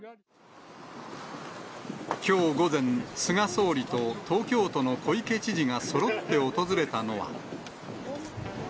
きょう午前、菅総理と東京都の小池知事がそろって訪れたのは。